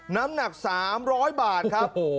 น้ำหนัก๓๐๐บาทครับ